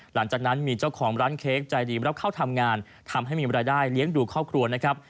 หลังจากนั้นมีเจ้าของร้านเค้กใจดีมารับเข้าทำงานทำให้มีรายได้เลี้ยงดูครอบครัวนะครับ